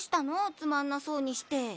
つまんなそうにして。